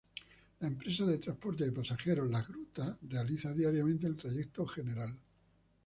La empresa de transportes de pasajeros "Las Grutas" realiza diariamente el trayecto Gral.